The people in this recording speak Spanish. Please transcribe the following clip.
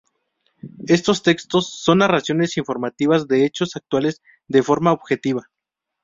Estos textos son narraciones informativas de hechos actuales de forma objetiva.